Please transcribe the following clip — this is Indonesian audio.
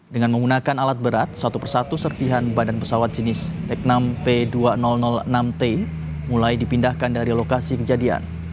dengan menggunakan alat berat satu persatu serpihan badan pesawat jenis teknam p dua ribu enam t mulai dipindahkan dari lokasi kejadian